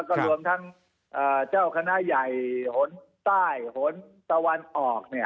ก็รวมทั้งเจ้าคณะใหญ่หลวนใต้หลวนตะวันออกเนี่ย